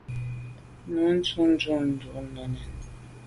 Nu dun tu i me dut nène.